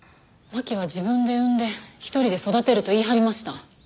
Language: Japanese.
槙は自分で産んで１人で育てると言い張りました。